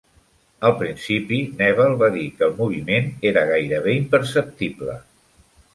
Al principi, Nebel va dir que el moviment era gairebé imperceptible.